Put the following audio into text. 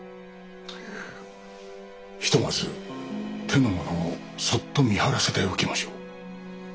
ひとまず手の者をそっと見張らせておきましょう。